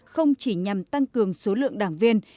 không chỉ nhằm tăng cường số lượng đảng viên